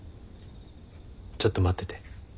ちょっと待ってて。